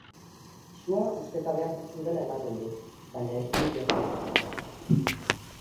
Sua ustekabean piztu dela ematen du, baina ez du inor zauritu.